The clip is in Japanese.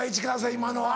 今のは。